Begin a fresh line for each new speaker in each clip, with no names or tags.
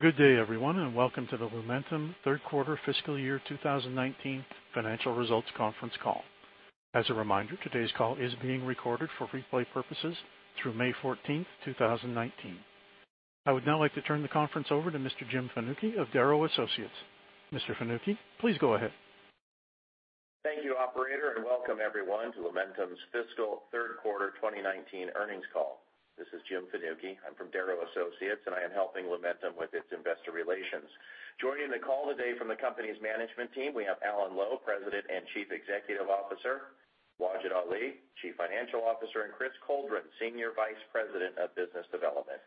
Good day, everyone, welcome to the Lumentum third quarter fiscal year 2019 financial results conference call. As a reminder, today's call is being recorded for replay purposes through May 14th, 2019. I would now like to turn the conference over to Mr. Jim Fanucchi of Darrow Associates. Mr. Fanucchi, please go ahead.
Thank you, operator, welcome everyone to Lumentum's fiscal third quarter 2019 earnings call. This is Jim Fanucchi. I am from Darrow Associates, and I am helping Lumentum with its investor relations. Joining the call today from the company's management team, we have Alan Lowe, President and Chief Executive Officer, Wajid Ali, Chief Financial Officer, and Chris Coldren, Senior Vice President of Business Development.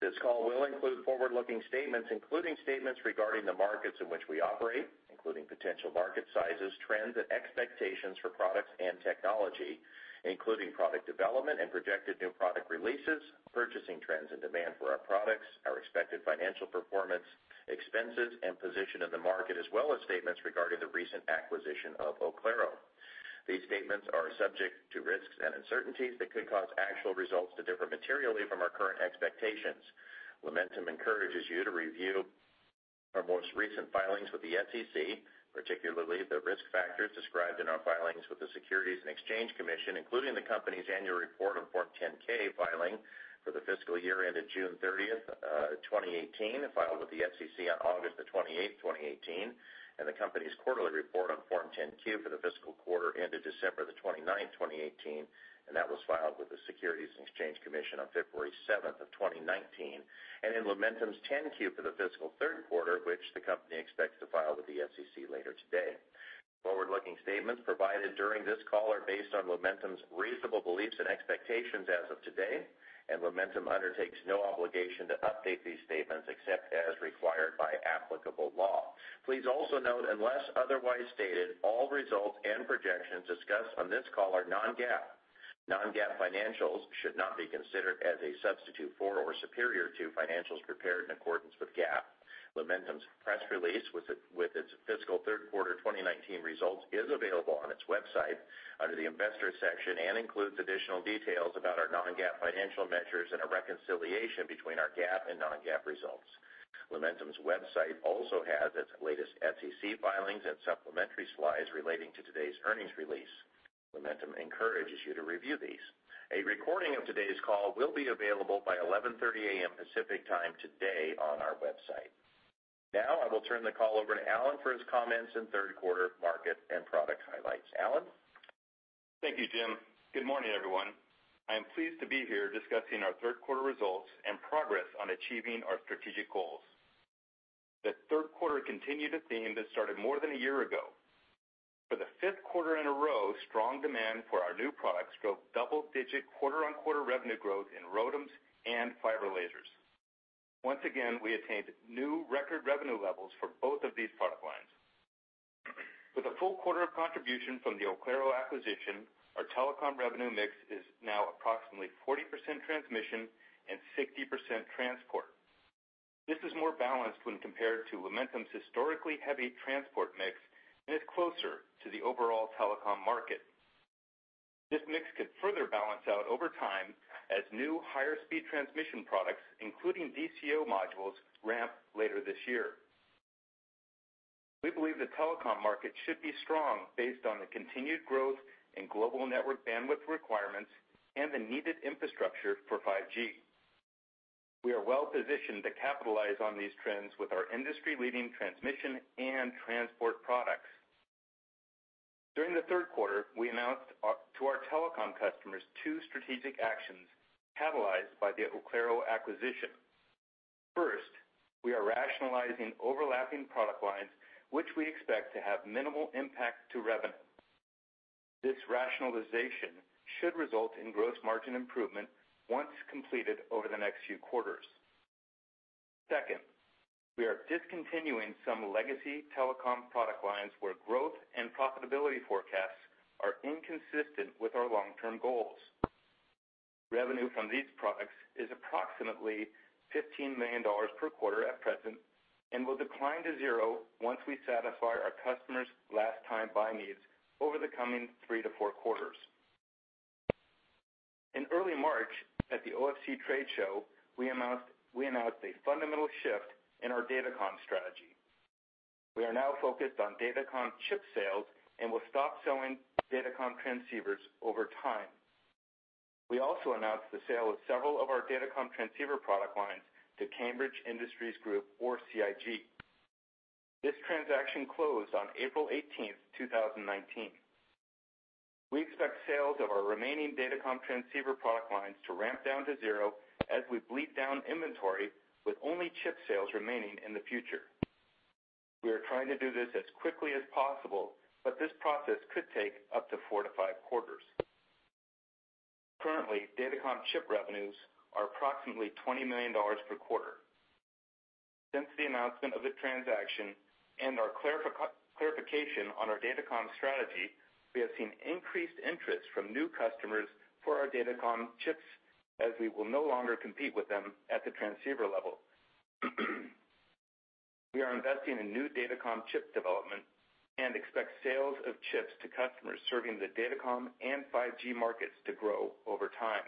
This call will include forward-looking statements, including statements regarding the markets in which we operate, including potential market sizes, trends, and expectations for products and technology, including product development and projected new product releases, purchasing trends, and demand for our products, our expected financial performance, expenses, and position in the market, as well as statements regarding the recent acquisition of Oclaro. These statements are subject to risks and uncertainties that could cause actual results to differ materially from our current expectations. Lumentum encourages you to review our most recent filings with the SEC, particularly the risk factors described in our filings with the Securities and Exchange Commission, including the company's annual report on Form 10-K filing for the fiscal year ended June 30th, 2018, filed with the SEC on August the 28th, 2018, and the company's quarterly report on Form 10-Q for the fiscal quarter ended December the 29th, 2018, and that was filed with the Securities and Exchange Commission on February 7th of 2019, and in Lumentum's 10-Q for the fiscal third quarter, which the company expects to file with the SEC later today. Forward-looking statements provided during this call are based on Lumentum's reasonable beliefs and expectations as of today, and Lumentum undertakes no obligation to update these statements except as required by applicable law. Please also note, unless otherwise stated, all results and projections discussed on this call are non-GAAP. Non-GAAP financials should not be considered as a substitute for or superior to financials prepared in accordance with GAAP. Lumentum's press release with its fiscal third quarter 2019 results is available on its website under the Investors section and includes additional details about our non-GAAP financial measures and a reconciliation between our GAAP and non-GAAP results. Lumentum's website also has its latest SEC filings and supplementary slides relating to today's earnings release. Lumentum encourages you to review these. A recording of today's call will be available by 11:30 A.M. Pacific Time today on our website. Now, I will turn the call over to Alan for his comments and third quarter market and product highlights. Alan?
Thank you, Jim. Good morning, everyone. I am pleased to be here discussing our third quarter results and progress on achieving our strategic goals. The third quarter continued a theme that started more than a year ago. For the fifth quarter in a row, strong demand for our new products drove double-digit quarter-on-quarter revenue growth in ROADMs and fiber lasers. Once again, we attained new record revenue levels for both of these product lines. With a full quarter of contribution from the Oclaro acquisition, our telecom revenue mix is now approximately 40% transmission and 60% transport. This is more balanced when compared to Lumentum's historically heavy transport mix and is closer to the overall telecom market. This mix could further balance out over time as new higher-speed transmission products, including DCO modules, ramp later this year. We believe the telecom market should be strong based on the continued growth in global network bandwidth requirements and the needed infrastructure for 5G. We are well positioned to capitalize on these trends with our industry-leading transmission and transport products. During the third quarter, we announced to our telecom customers two strategic actions catalyzed by the Oclaro acquisition. First, we are rationalizing overlapping product lines, which we expect to have minimal impact to revenue. This rationalization should result in gross margin improvement once completed over the next few quarters. Second, we are discontinuing some legacy telecom product lines where growth and profitability forecasts are inconsistent with our long-term goals. Revenue from these products is approximately $15 million per quarter at present and will decline to zero once we satisfy our customers' last-time buy needs over the coming three to four quarters. In early March at the OFC trade show, we announced a fundamental shift in our datacom strategy. We are now focused on datacom chip sales and will stop selling datacom transceivers over time. We also announced the sale of several of our datacom transceiver product lines to Cambridge Industries Group or CIG. This transaction closed on April 18th, 2019. We expect sales of our remaining datacom transceiver product lines to ramp down to zero as we bleed down inventory with only chip sales remaining in the future. We are trying to do this as quickly as possible, but this process could take up to four to five quarters. Currently, datacom chip revenues are approximately $20 million per quarter. Since the announcement of the transaction and our clarification on our datacom strategy, we have seen increased interest from new customers for our datacom chips, as we will no longer compete with them at the transceiver level. We are investing in new datacom chip development and expect sales of chips to customers serving the datacom and 5G markets to grow over time.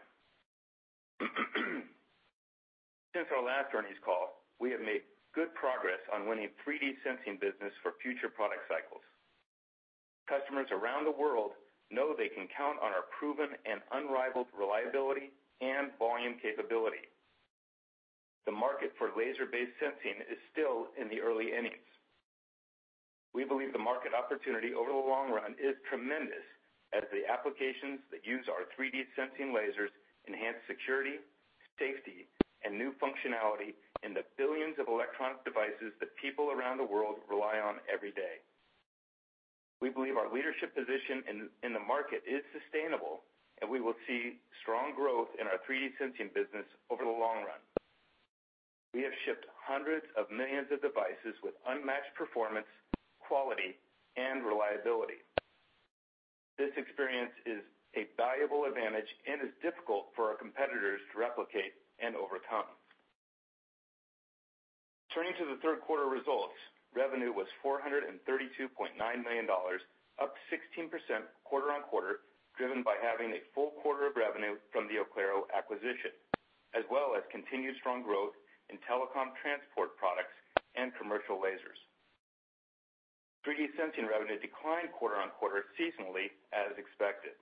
Since our last earnings call, we have made good progress on winning 3D sensing business for future product cycles. Customers around the world know they can count on our proven and unrivaled reliability and volume capability. The market for laser-based sensing is still in the early innings. We believe the market opportunity over the long run is tremendous, as the applications that use our 3D sensing lasers enhance security, safety, and new functionality in the billions of electronic devices that people around the world rely on every day. We believe our leadership position in the market is sustainable. We will see strong growth in our 3D sensing business over the long run. We have shipped hundreds of millions of devices with unmatched performance, quality, and reliability. This experience is a valuable advantage and is difficult for our competitors to replicate and overcome. Turning to the third quarter results, revenue was $432.9 million, up 16% quarter-on-quarter, driven by having a full quarter of revenue from the Oclaro acquisition, as well as continued strong growth in telecom transport products and commercial lasers. 3D sensing revenue declined quarter-on-quarter seasonally as expected.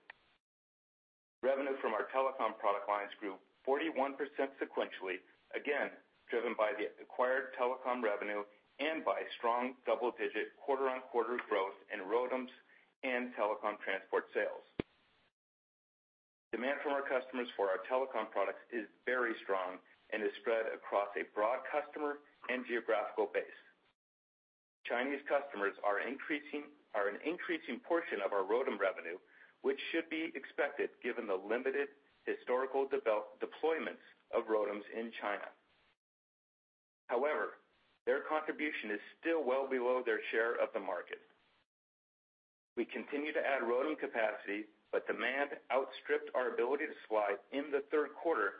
Revenue from our telecom product lines grew 41% sequentially, again, driven by the acquired telecom revenue and by strong double-digit quarter-on-quarter growth in ROADMs and telecom transport sales. Demand from our customers for our telecom products is very strong and is spread across a broad customer and geographical base. Chinese customers are an increasing portion of our ROADM revenue, which should be expected given the limited historical deployments of ROADMs in China. Their contribution is still well below their share of the market. We continue to add ROADM capacity, but demand outstripped our ability to slide in the third quarter.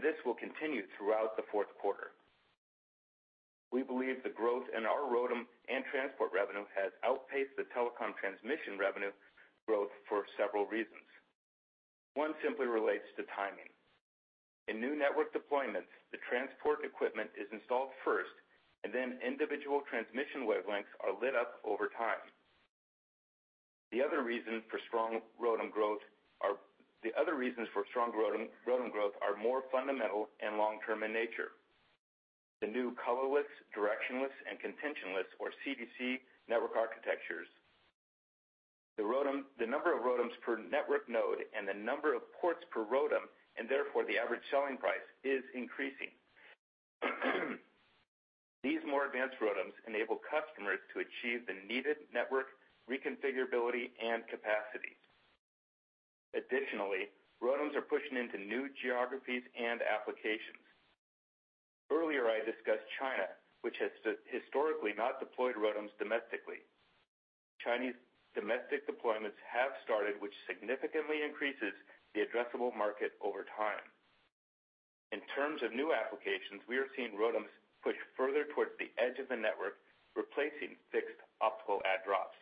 This will continue throughout the fourth quarter. We believe the growth in our ROADM and transport revenue has outpaced the telecom transmission revenue growth for several reasons. One simply relates to timing. In new network deployments, the transport equipment is installed first. Individual transmission wavelengths are lit up over time. The other reasons for strong ROADM growth are more fundamental and long-term in nature. The new colorless, directionless, and contentionless, or CDC, network architectures, the number of ROADMs per network node and the number of ports per ROADM, and therefore the average selling price is increasing. These more advanced ROADMs enable customers to achieve the needed network reconfigurability and capacity. ROADMs are pushing into new geographies and applications. Earlier I discussed China, which has historically not deployed ROADMs domestically. Chinese domestic deployments have started, which significantly increases the addressable market over time. In terms of new applications, we are seeing ROADMs push further towards the edge of the network, replacing fixed optical add drops.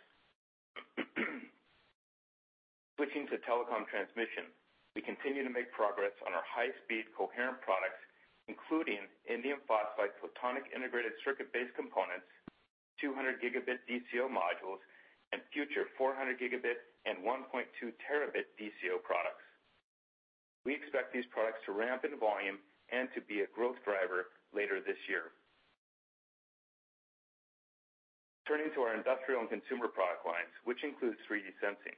Switching to telecom transmission, we continue to make progress on our high-speed coherent products, including indium phosphide photonic integrated circuit-based components, 200 gigabit DCO modules, and future 400 gigabit and 1.2 terabit DCO products. We expect these products to ramp in volume and to be a growth driver later this year. Turning to our industrial and consumer product lines, which includes 3D sensing.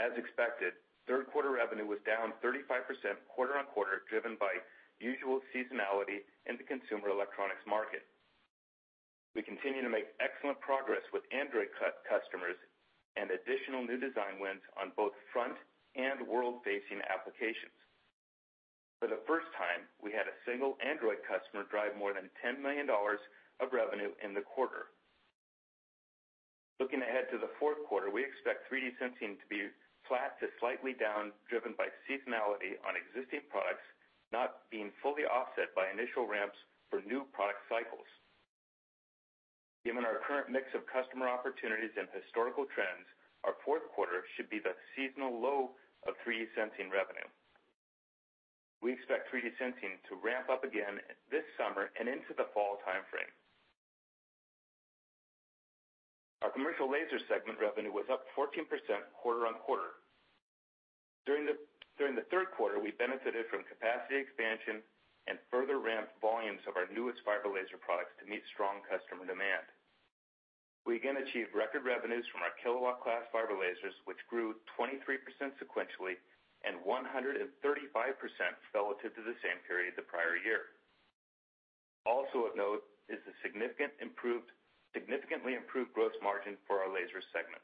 As expected, third quarter revenue was down 35% quarter-on-quarter, driven by usual seasonality in the consumer electronics market. We continue to make excellent progress with Android customers and additional new design wins on both front and world-facing applications. For the first time, we had a single Android customer drive more than $10 million of revenue in the quarter. Looking ahead to the fourth quarter, we expect 3D sensing to be flat to slightly down, driven by seasonality on existing products not being fully offset by initial ramps for new product cycles. Given our current mix of customer opportunities and historical trends, our fourth quarter should be the seasonal low of 3D sensing revenue. We expect 3D sensing to ramp up again this summer and into the fall timeframe. Our commercial laser segment revenue was up 14% quarter-over-quarter. During the third quarter, we benefited from capacity expansion and further ramped volumes of our newest fiber laser products to meet strong customer demand. We again achieved record revenues from our kilowatt class fiber lasers, which grew 23% sequentially and 135% relative to the same period the prior year. Also of note is the significantly improved gross margin for our laser segment.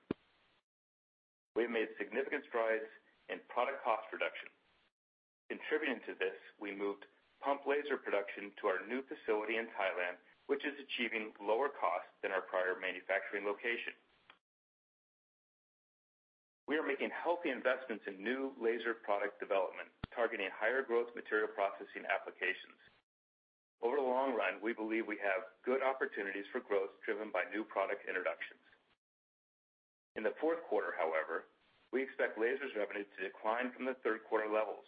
We've made significant strides in product cost reduction. Contributing to this, we moved pump laser production to our new facility in Thailand, which is achieving lower costs than our prior manufacturing location. We are making healthy investments in new laser product development, targeting higher growth material processing applications. Over the long run, we believe we have good opportunities for growth driven by new product introductions. In the fourth quarter, however, we expect lasers revenue to decline from the third quarter levels.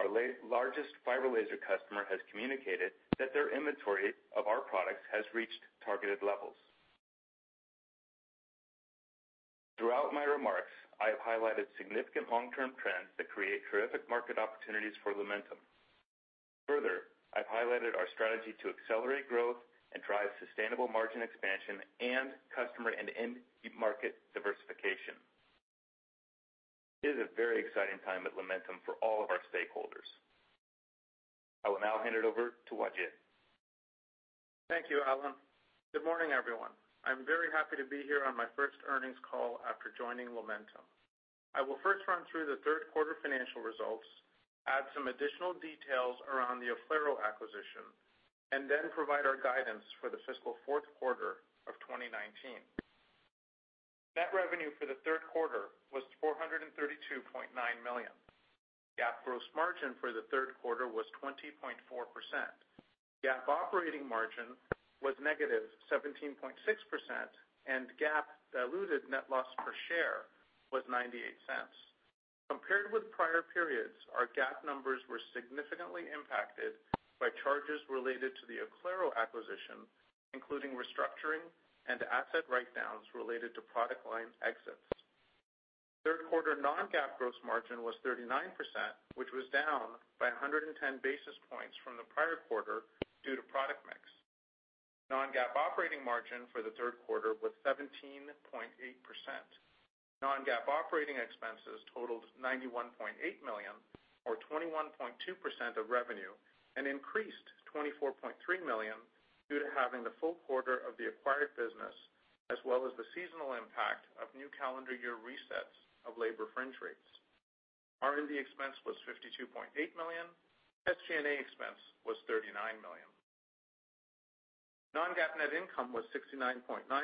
Our largest fiber laser customer has communicated that their inventory of our products has reached targeted levels. Throughout my remarks, I have highlighted significant long-term trends that create terrific market opportunities for Lumentum. Further, I've highlighted our strategy to accelerate growth and drive sustainable margin expansion and customer and end market diversification. It is a very exciting time at Lumentum for all of our stakeholders. I will now hand it over to Wajid.
Thank you, Alan. Good morning, everyone. I'm very happy to be here on my first earnings call after joining Lumentum. I will first run through the third quarter financial results, add some additional details around the Oclaro acquisition, and then provide our guidance for the fiscal fourth quarter of 2019. Net revenue for the third quarter was $432.9 million. GAAP gross margin for the third quarter was 20.4%. GAAP operating margin was negative 17.6%, and GAAP diluted net loss per share was $0.98. Compared with prior periods, our GAAP numbers were significantly impacted by charges related to the Oclaro acquisition, including restructuring and asset write-downs related to product line exits. Third quarter non-GAAP gross margin was 39%, which was down by 110 basis points from the prior quarter due to product mix. Non-GAAP operating margin for the third quarter was 17.8%. Non-GAAP operating expenses totaled $91.8 million or 21.2% of revenue, and increased to $24.3 million due to having the full quarter of the acquired business, as well as the seasonal impact of new calendar year resets of labor fringe rates. R&D expense was $52.8 million. SG&A expense was $39 million. Non-GAAP net income was $69.9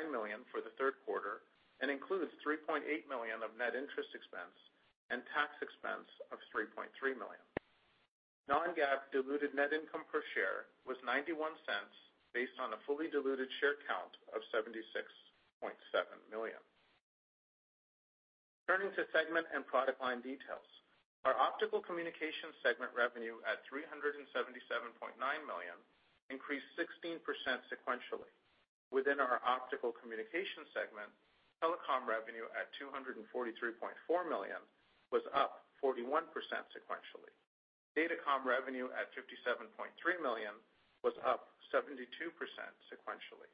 million for the third quarter and includes $3.8 million of net interest expense and tax expense of $3.3 million. Non-GAAP diluted net income per share was $0.91 based on a fully diluted share count of 76.7 million. Turning to segment and product line details. Our optical communication segment revenue at $377.9 million increased 16% sequentially. Within our optical communication segment, telecom revenue at $243.4 million was up 41% sequentially. Datacom revenue at $57.3 million was up 72% sequentially.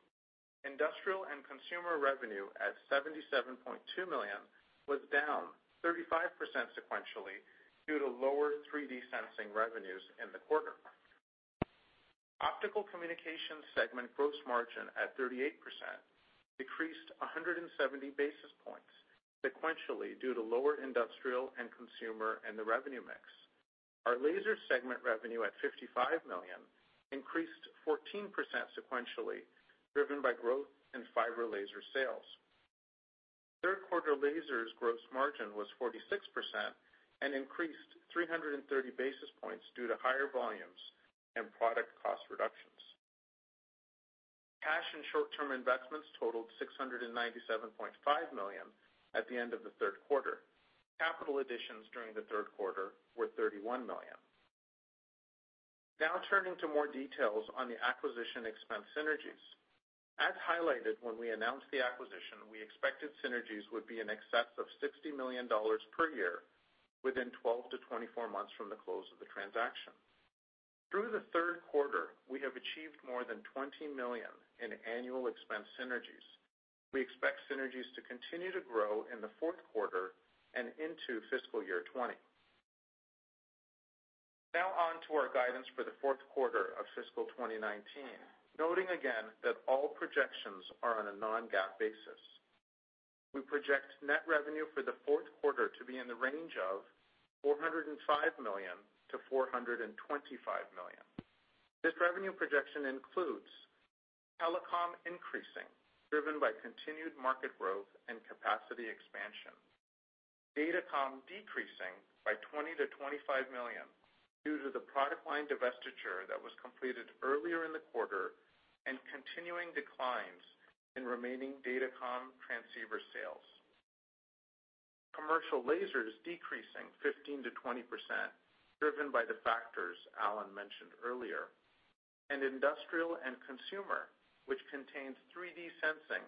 Industrial and consumer revenue at $77.2 million was down 35% sequentially due to lower 3D sensing revenues in the quarter. Optical communication segment gross margin at 38% decreased 170 basis points sequentially due to lower industrial and consumer and the revenue mix. Our laser segment revenue at $55 million increased 14% sequentially, driven by growth in fiber laser sales. Third quarter lasers gross margin was 46% and increased 330 basis points due to higher volumes and product cost reductions. Cash and short-term investments totaled $697.5 million at the end of the third quarter. Capital additions during the third quarter were $31 million. Turning to more details on the acquisition expense synergies. As highlighted when we announced the acquisition, we expected synergies would be in excess of $60 million per year within 12 to 24 months from the close of the transaction. Through the third quarter, we have achieved more than $20 million in annual expense synergies. We expect synergies to continue to grow in the fourth quarter and into fiscal year 2020. On to our guidance for the fourth quarter of fiscal 2019, noting again that all projections are on a non-GAAP basis. We project net revenue for the fourth quarter to be in the range of $405 million-$425 million. This revenue projection includes telecom increasing, driven by continued market growth and capacity expansion. Datacom decreasing by $20 million-$25 million due to the product line divestiture that was completed earlier in the quarter and continuing declines in remaining datacom transceiver sales. Commercial lasers decreasing 15%-20%, driven by the factors Alan mentioned earlier, and industrial and consumer, which contains 3D sensing,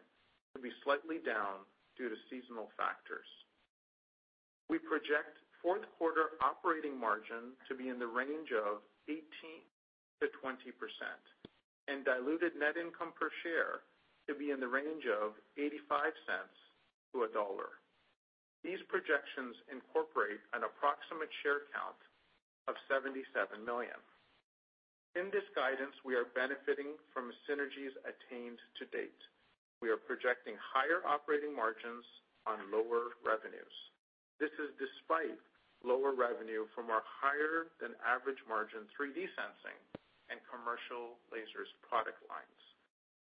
to be slightly down due to seasonal factors. We project fourth quarter operating margin to be in the range of 18%-20% and diluted net income per share to be in the range of $0.85-$1.00. These projections incorporate an approximate share count of 77 million. In this guidance, we are benefiting from synergies attained to date. We are projecting higher operating margins on lower revenue.
This is despite lower revenue from our higher-than-average margin 3D sensing and commercial lasers product lines.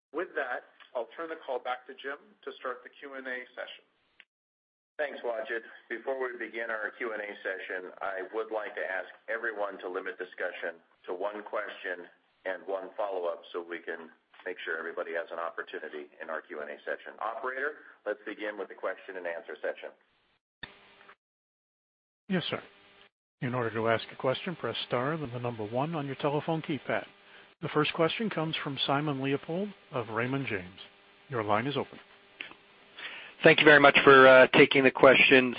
With that, I'll turn the call back to Jim to start the Q&A session.
Thanks, Wajid. Before we begin our Q&A session, I would like to ask everyone to limit discussion to one question and one follow-up so we can make sure everybody has an opportunity in our Q&A session. Operator, let's begin with the question and answer session.
Yes, sir. In order to ask a question, press star, then the number one on your telephone keypad. The first question comes from Simon Leopold of Raymond James. Your line is open.
Thank you very much for taking the questions.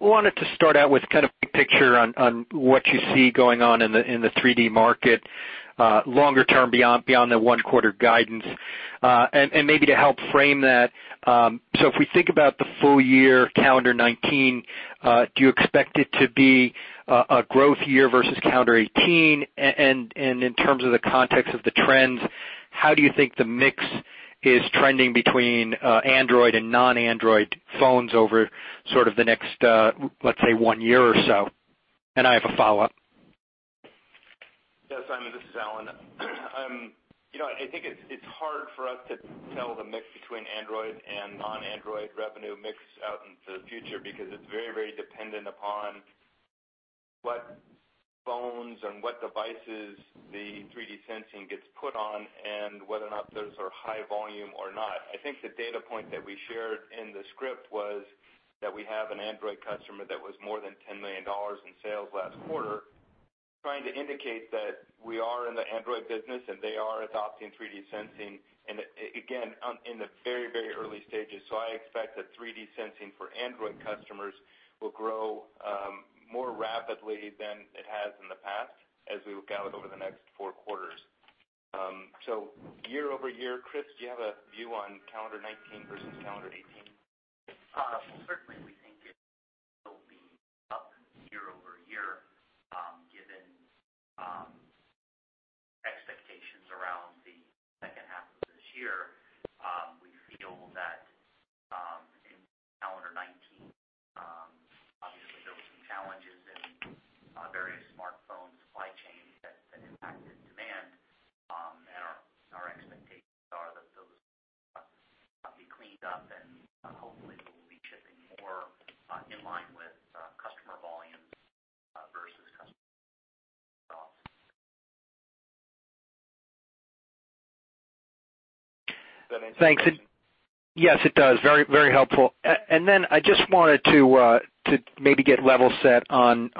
Wanted to start out with big picture on what you see going on in the 3D market, longer term beyond the one quarter guidance. Maybe to help frame that, if we think about the full year calendar 2019, do you expect it to be a growth year versus calendar 2018? In terms of the context of the trends, how do you think the mix is trending between Android and non-Android phones over the next, let's say, one year or so? I have a follow-up.
Yeah, Simon, this is Alan. I think it's hard for us to tell the mix between Android and non-Android revenue mix out into the future because it's very dependent upon what phones and what devices the 3D sensing gets put on and whether or not those are high volume or not. I think the data point that we shared in the script was that we have an Android customer that was more than $10 million in sales last quarter trying to indicate that we are in the Android business, and they are adopting 3D sensing and again, in the very early stages. I expect that 3D sensing for Android customers will grow more rapidly than it has in the past as we look out over the next four quarters. Year-over-year, Chris, do you have a view on calendar 2019 versus calendar 2018?
Certainly, we think it will be up year-over-year given expectations around the second half of this year. We feel that in calendar 2019, obviously, there were some challenges in various smartphone supply chains that impacted demand. Our expectations are that those will be cleaned up and hopefully we'll be shipping more in line with customer volume versus customer forecasts.
Thanks.
Does that answer your question?
Yes, it does. Very helpful. I just wanted to maybe get level set on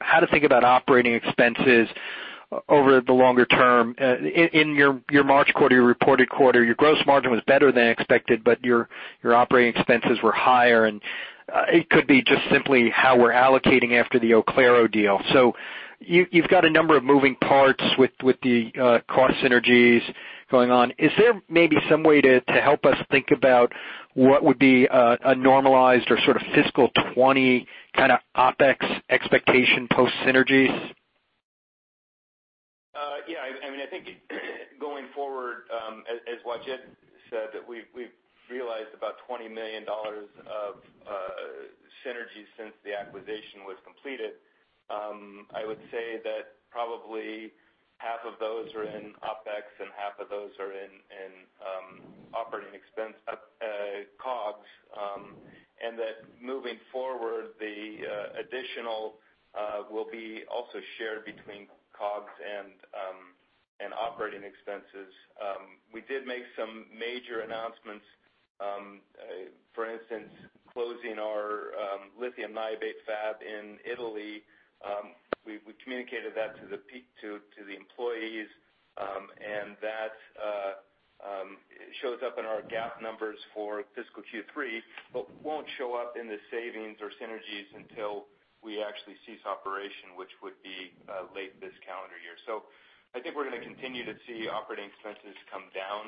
how to think about operating expenses over the longer term. In your March quarter, your reported quarter, your gross margin was better than expected, but your operating expenses were higher and it could be just simply how we're allocating after the Oclaro deal. You've got a number of moving parts with the cost synergies going on. Is there maybe some way to help us think about what would be a normalized or fiscal 2020 kind of OpEx expectation post synergies?
Yeah. I think going forward, as Wajid said, that we've realized about $20 million of synergies since the acquisition was completed. I would say that probably half of those are in OpEx and half of those are in operating expense, COGS, and that moving forward, the additional will be also shared between COGS and operating expenses. We did make some major announcements, for instance, closing our lithium niobate fab in Italy. We communicated that to the employees, and that shows up in our GAAP numbers for fiscal Q3, but won't show up in the savings or synergies until we actually cease operation, which would be late this calendar year. I think we're going to continue to see operating expenses come down.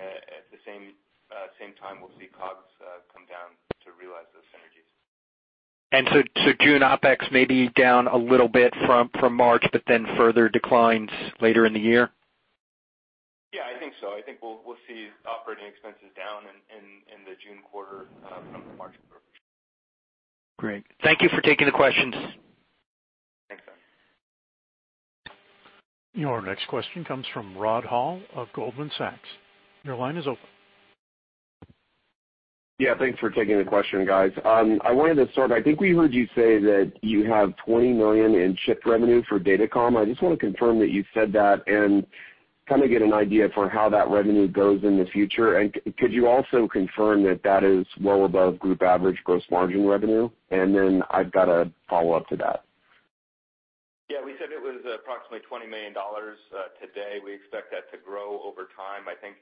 At the same time, we'll see COGS come down to realize those synergies.
June OpEx may be down a little bit from March, further declines later in the year?
Yeah, I think so. I think we'll see operating expenses down in the June quarter from the March quarter, for sure.
Great. Thank you for taking the questions.
Thanks, Simon.
Your next question comes from Rod Hall of Goldman Sachs. Your line is open.
Yeah. Thanks for taking the question, guys. I wanted to start, I think we heard you say that you have $20 million in chip revenue for Datacom. I just want to confirm that you said that and kind of get an idea for how that revenue goes in the future. Could you also confirm that that is well above group average gross margin revenue? I've got a follow-up to that.
Yeah. We said it was approximately $20 million today. We expect that to grow over time. I think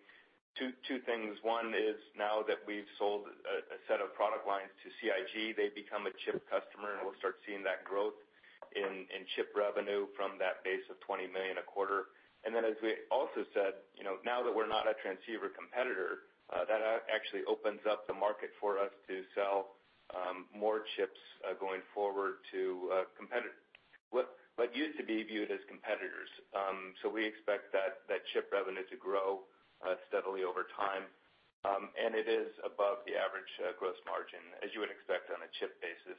two things. One is now that we've sold a set of product lines to CIG, they become a chip customer, and we'll start seeing that growth in chip revenue from that base of $20 million a quarter. As we also said, now that we're not a transceiver competitor, that actually opens up the market for us to sell more chips going forward to competitors, what used to be viewed as competitors. We expect that chip revenue to grow steadily over time, and it is above the average gross margin, as you would expect on a chip basis,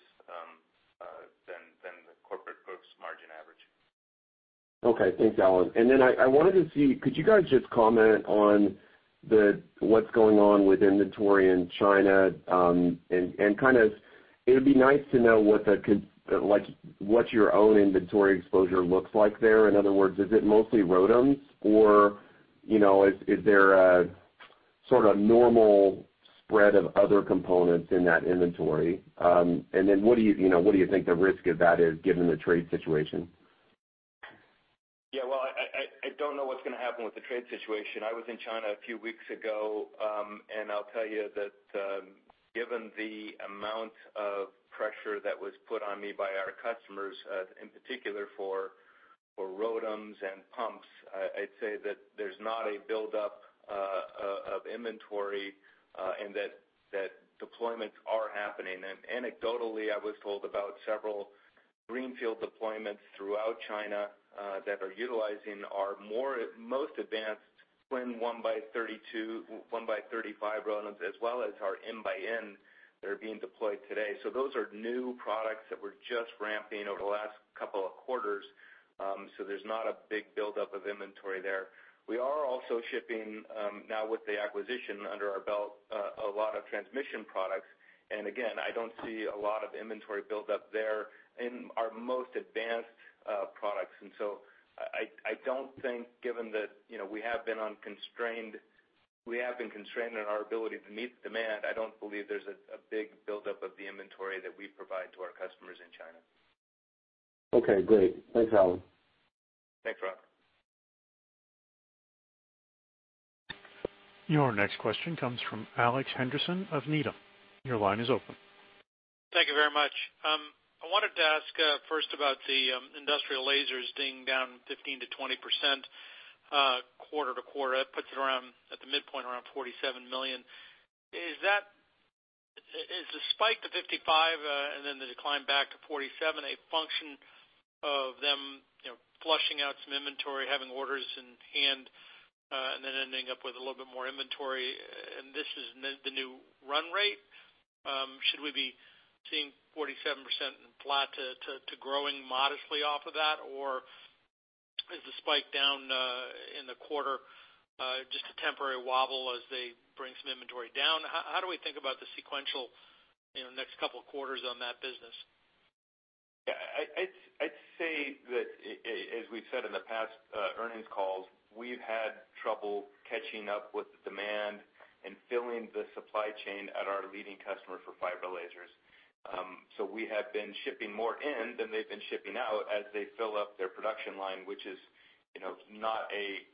than the corporate gross margin average.
Okay. Thanks, Alan. I wanted to see, could you guys just comment on what's going on with inventory in China? It would be nice to know what your own inventory exposure looks like there. In other words, is it mostly ROADMs, or is there a sort of normal spread of other components in that inventory? What do you think the risk of that is given the trade situation?
Well, I don't know what's going to happen with the trade situation. I was in China a few weeks ago, I'll tell you that, given the amount of pressure that was put on me by our customers, in particular for ROADMs and pumps, I'd say that there's not a buildup of inventory, and that deployments are happening. Anecdotally, I was told about several greenfield deployments throughout China that are utilizing our most advanced TWIN 1x32, 1x35 ROADMs, as well as our MxN that are being deployed today. Those are new products that we're just ramping over the last couple of quarters. There's not a big buildup of inventory there. We are also shipping, now with the acquisition under our belt, a lot of transmission products. Again, I don't see a lot of inventory buildup there in our most advanced products. I don't think, given that we have been constrained in our ability to meet the demand, I don't believe there's a big buildup of the inventory that we provide to our customers in China.
Okay, great. Thanks, Alan.
Thanks, Rod.
Your next question comes from Alex Henderson of Needham. Your line is open.
Thank you very much. I wanted to ask first about the industrial lasers being down 15%-20% quarter-to-quarter. That puts it at the midpoint around $47 million. Is the spike to 55 and then the decline back to 47 a function of them flushing out some inventory, having orders in hand, and then ending up with a little bit more inventory, and this is the new run rate? Should we be seeing 47% flat to growing modestly off of that, or is the spike down in the quarter just a temporary wobble as they bring some inventory down? How do we think about the sequential next couple of quarters on that business?
Yeah. I'd say that, as we've said in the past earnings calls, we've had trouble catching up with the demand and filling the supply chain at our leading customer for fiber lasers. We have been shipping more in than they've been shipping out as they fill up their production line, which is not a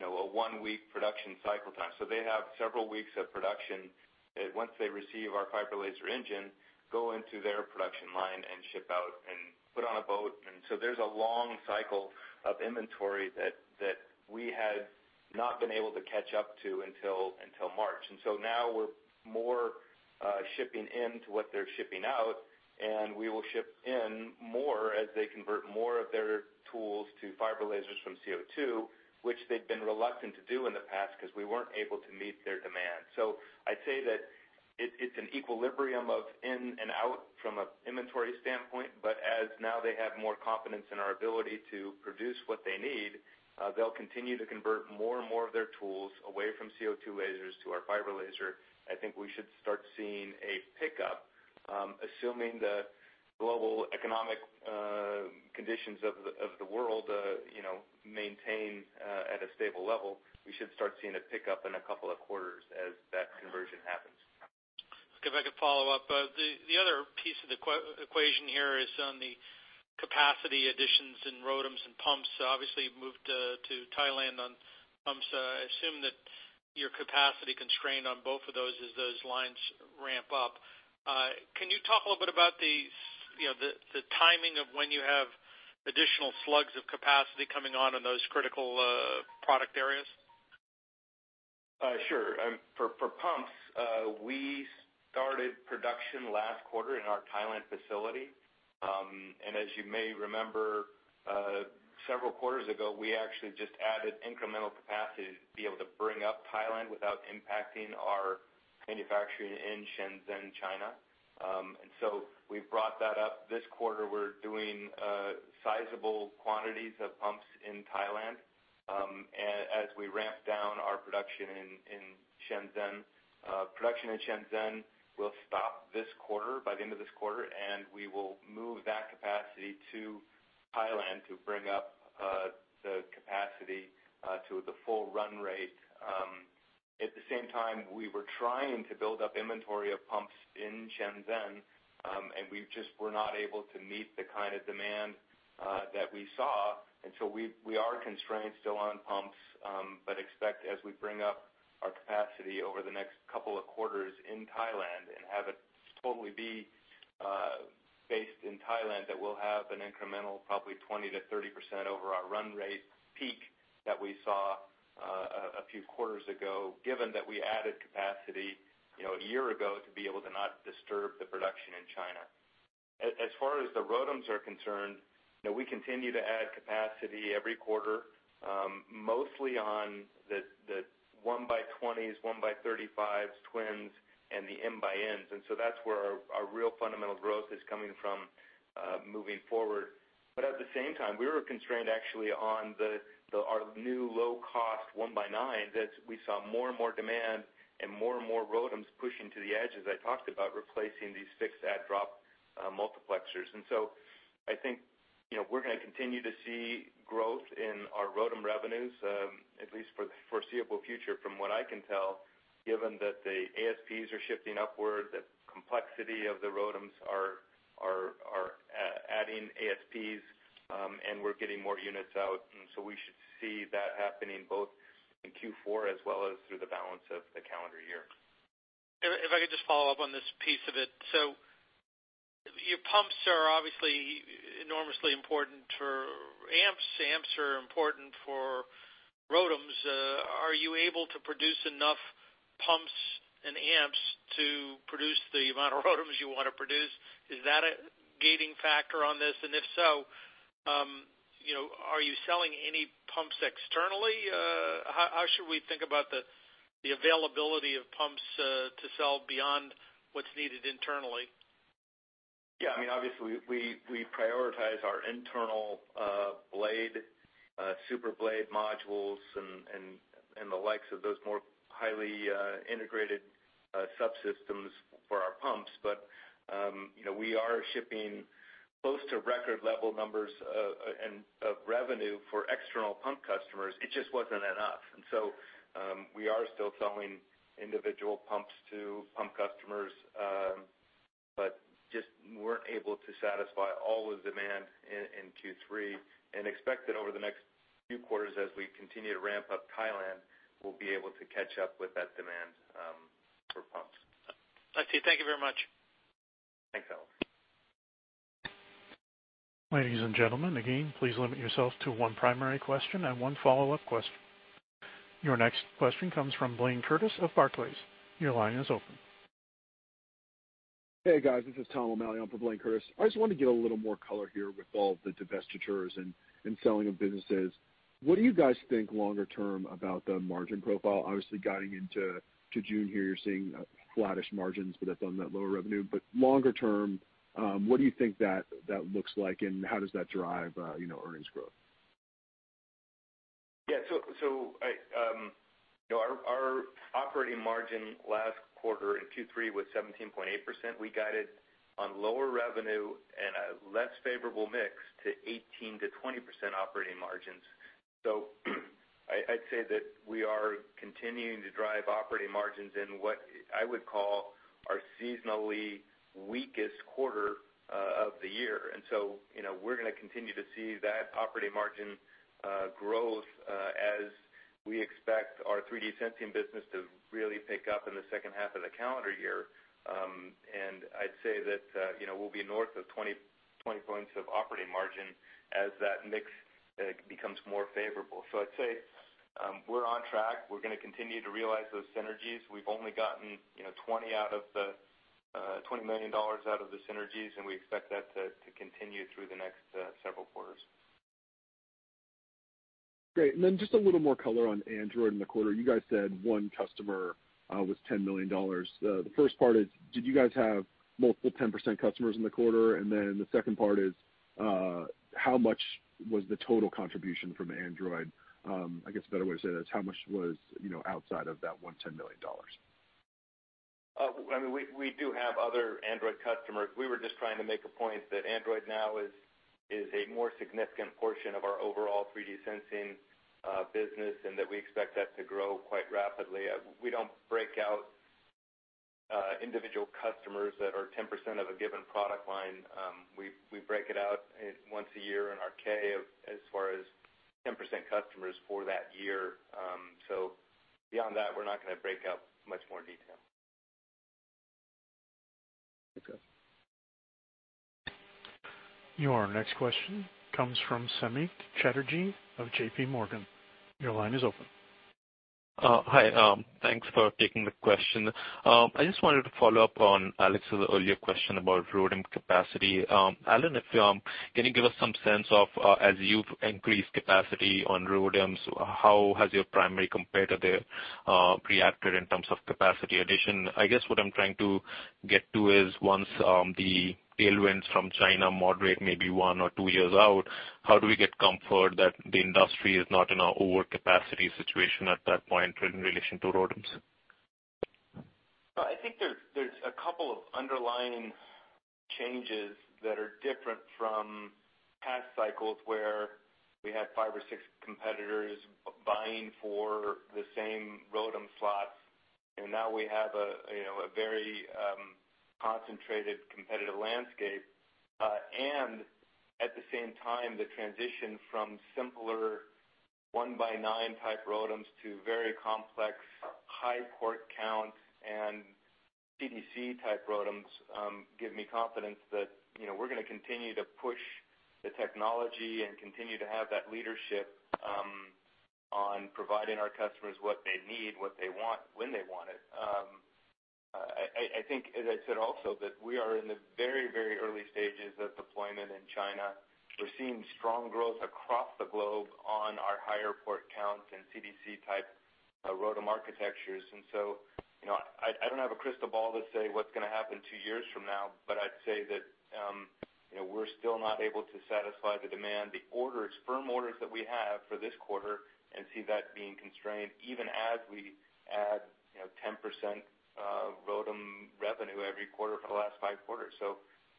one-week production cycle time. They have several weeks of production that, once they receive our fiber laser engine, go into their production line and ship out and put on a boat. There's a long cycle of inventory that we had not been able to catch up to until March. Now we're more shipping in to what they're shipping out, and we will ship in more as they convert more of their tools to fiber lasers from CO2, which they'd been reluctant to do in the past because we weren't able to meet their demand. I'd say that it's an equilibrium of in and out from an inventory standpoint, but as now they have more confidence in our ability to produce what they need, they'll continue to convert more and more of their tools away from CO2 lasers to our fiber laser. I think we should start seeing a pickup, assuming the global economic conditions of the world maintain at a stable level. We should start seeing a pickup in a couple of quarters as that conversion happens.
If I could follow up, the other piece of the equation here is on the capacity additions in ROADMs and pumps. Obviously, you've moved to Thailand on pumps. I assume that you're capacity constrained on both of those as those lines ramp up. Can you talk a little bit about the timing of when you have additional slugs of capacity coming on in those critical product areas?
Sure. For pumps, we started production last quarter in our Thailand facility. As you may remember, several quarters ago, we actually just added incremental capacity to be able to bring up Thailand without impacting our manufacturing in Shenzhen, China. We brought that up. This quarter, we're doing sizable quantities of pumps in Thailand as we ramp down our production in Shenzhen. Production in Shenzhen will stop this quarter, by the end of this quarter, and we will move that capacity to Thailand to bring up the capacity to the full run rate. At the same time, we were trying to build up inventory of pumps in Shenzhen, and we just were not able to meet the kind of demand that we saw. We are constrained still on pumps, but expect as we bring up our capacity over the next couple of quarters in Thailand and have it totally be based in Thailand, that we'll have an incremental probably 20%-30% over our run rate peak that we saw a few quarters ago, given that we added capacity a year ago to be able to not disturb the production in China. As far as the ROADMs are concerned, we continue to add capacity every quarter, mostly on the 1x20s, 1x35s, twins, and the MxNs. That's where our real fundamental growth is coming from moving forward. At the same time, we were constrained actually on our new low-cost 1x9 that we saw more and more demand and more and more ROADMs pushing to the edge, as I talked about, replacing these fixed add-drop multiplexers. I think we're going to continue to see growth in our ROADM revenues, at least for the foreseeable future from what I can tell, given that the ASPs are shifting upward, the complexity of the ROADMs are adding ASPs, and we're getting more units out. We should see that happening both in Q4 as well as through the balance of the calendar year.
If I could just follow up on this piece of it. Your pumps are obviously enormously important for amps. Amps are important for ROADMs. Are you able to produce enough pumps and amps to produce the amount of ROADMs you want to produce? Is that a gating factor on this? If so, are you selling any pumps externally? How should we think about the availability of pumps to sell beyond what's needed internally?
Yeah. Obviously, we prioritize our internal blade, super blade modules, and the likes of those more highly integrated subsystems for our pumps. We are shipping close to record level numbers of revenue for external pump customers. It just wasn't enough. We are still selling individual pumps to pump customers, but just weren't able to satisfy all the demand in Q3, and expect that over the next few quarters as we continue to ramp up Thailand, we'll be able to catch up with that demand for pumps.
Thank you very much.
Thanks, Alex.
Ladies and gentlemen, again, please limit yourself to one primary question and one follow-up question. Your next question comes from Blayne Curtis of Barclays. Your line is open.
Hey, guys. This is Tom O'Malley. I'm from Blayne Curtis. I just wanted to get a little more color here with all the divestitures and selling of businesses. What do you guys think longer term about the margin profile? Obviously guiding into June here, you're seeing flattish margins, but that's on that lower revenue. Longer term, what do you think that looks like, and how does that drive earnings growth?
Yeah. Our operating margin last quarter in Q3 was 17.8%. We guided on lower revenue and a less favorable mix to 18%-20% operating margins. I'd say that we are continuing to drive operating margins in what I would call our seasonally weakest quarter of the year. We're going to continue to see that operating margin growth as we expect our 3D sensing business to really pick up in the second half of the calendar year. I'd say that we'll be north of 20 points of operating margin as that mix becomes more favorable. I'd say we're on track. We're going to continue to realize those synergies. We've only gotten $20 million out of the synergies, and we expect that to continue through the next several quarters.
Great. Just a little more color on Android in the quarter. You guys said one customer was $10 million. The first part is, did you guys have multiple 10% customers in the quarter? The second part is, how much was the total contribution from Android? I guess a better way to say that is how much was outside of that one $10 million?
We do have other Android customers. We were just trying to make a point that Android now is a more significant portion of our overall 3D sensing business, and that we expect that to grow quite rapidly. We don't break out individual customers that are 10% of a given product line. We break it out once a year in our K as far as 10% customers for that year. Beyond that, we're not going to break out much more detail.
Okay.
Your next question comes from Samik Chatterjee of J.P. Morgan. Your line is open.
Hi. Thanks for taking the question. I just wanted to follow up on Alex's earlier question about ROADM capacity. Alan, can you give us some sense of, as you've increased capacity on ROADMs, how has your primary competitor reacted in terms of capacity addition? I guess what I'm trying to get to is once the tailwinds from China moderate maybe one or two years out, how do we get comfort that the industry is not in an overcapacity situation at that point in relation to ROADMs?
I think there's a couple of underlying changes that are different from past cycles where we had five or six competitors vying for the same ROADM slots. Now we have a very concentrated competitive landscape. At the same time, the transition from simpler 1x9 type ROADMs to very complex high port count CDC type ROADMs give me confidence that we're going to continue to push the technology and continue to have that leadership on providing our customers what they need, what they want, when they want it. I think, as I said also, that we are in the very early stages of deployment in China. We're seeing strong growth across the globe on our higher port count CDC type ROADM architectures. I don't have a crystal ball to say what's going to happen two years from now, but I'd say that we're still not able to satisfy the demand, the firm orders that we have for this quarter, and see that being constrained even as we add 10% ROADM revenue every quarter for the last five quarters.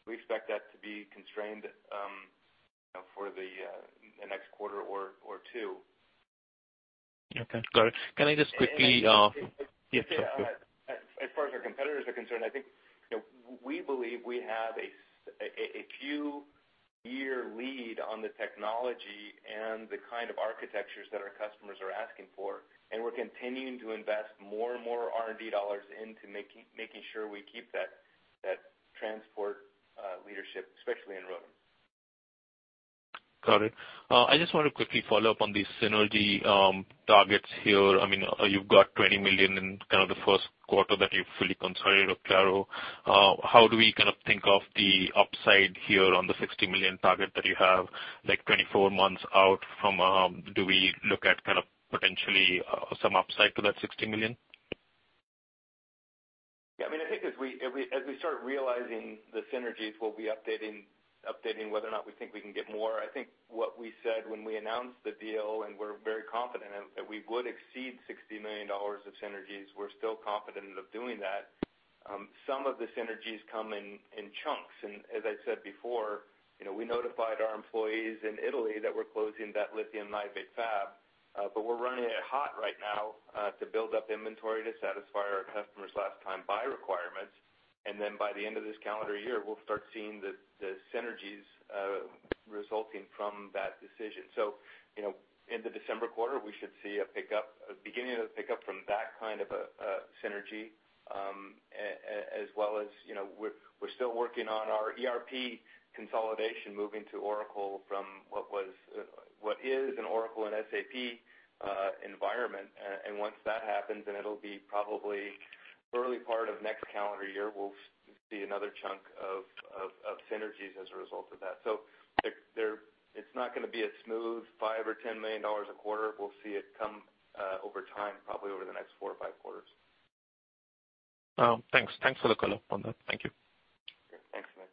We expect that to be constrained for the next quarter or two.
Okay, got it.
And I think-
Yes, go ahead.
As far as our competitors are concerned, we believe we have a few-year lead on the technology and the kind of architectures that our customers are asking for. We're continuing to invest more and more R&D dollars into making sure we keep that transport leadership, especially in ROADM.
Got it. I just want to quickly follow up on the synergy targets here. You've got $20 million in kind of the first quarter that you fully consolidated Oclaro. How do we kind of think of the upside here on the $60 million target that you have, like 24 months out from? Do we look at potentially some upside to that $60 million?
Yes. As we start realizing the synergies, we'll be updating whether or not we think we can get more. What we said when we announced the deal, we're very confident that we would exceed $60 million of synergies. We're still confident of doing that. Some of the synergies come in chunks. As I said before, we notified our employees in Italy that we're closing that lithium niobate fab. We're running it hot right now to build up inventory to satisfy our customers' last time buy requirements. By the end of this calendar year, we'll start seeing the synergies resulting from that decision. In the December quarter, we should see a beginning of the pickup from that kind of a synergy, as well as we're still working on our ERP consolidation, moving to Oracle from what is an Oracle and SAP environment. Once that happens, it'll be probably early part of next calendar year, we'll see another chunk of synergies as a result of that. It's not going to be a smooth $5 million or $10 million a quarter. We'll see it come over time, probably over the next four or five quarters.
Thanks for the color on that. Thank you.
Yeah. Thanks, Nick.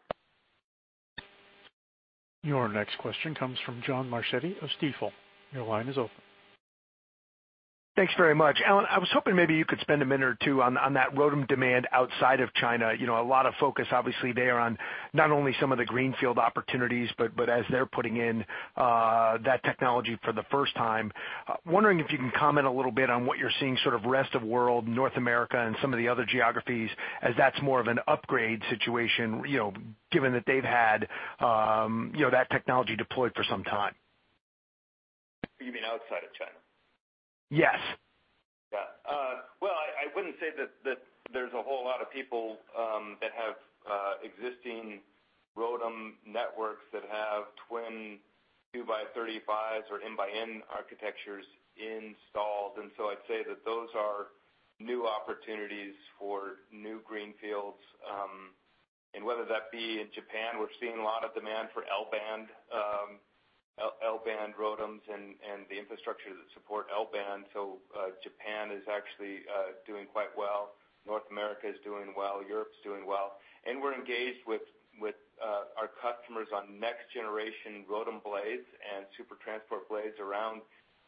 Your next question comes from John Marchetti of Stifel. Your line is open.
Thanks very much. Alan, I was hoping maybe you could spend a minute or two on that ROADM demand outside of China. A lot of focus, obviously, there on not only some of the greenfield opportunities, but as they're putting in that technology for the first time. Wondering if you can comment a little bit on what you're seeing sort of rest of world, North America, and some of the other geographies as that's more of an upgrade situation, given that they've had that technology deployed for some time.
You mean outside of China?
Yes.
Well, I wouldn't say that there's a whole lot of people that have existing ROADM networks that have twin 2x35s or N x N architectures installed. I'd say that those are new opportunities for new greenfields. Whether that be in Japan, we're seeing a lot of demand for L-band ROADMs and the infrastructure that support L-band. Japan is actually doing quite well. North America is doing well. Europe's doing well. We're engaged with our customers on next generation ROADM blades and Super Transport Blade around